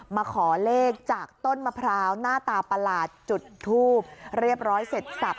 มาขอเลขจากต้นมะพร้าวหน้าตาประหลาดจุดทูบเรียบร้อยเสร็จสับ